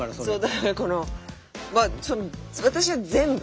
私は全部。